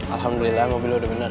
alhamdulillah mobil lu udah bener